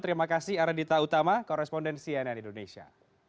terima kasih ardita utama koresponden cnn indonesia